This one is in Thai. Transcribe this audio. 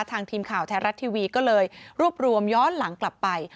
ทีมข่าวไทยรัฐทีวีก็เลยรวบรวมย้อนหลังกลับไป